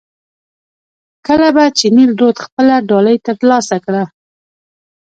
کله به چې نیل رود خپله ډالۍ ترلاسه کړه.